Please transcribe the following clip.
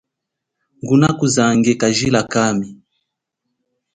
Ngunakuzange kajila kami.